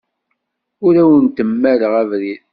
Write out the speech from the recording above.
Ur awen-mmaleɣ abrid.